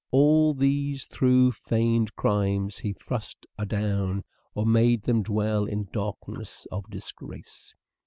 All these through feigned crimes he thrust adown Or made them dwell in darkness of disgrace."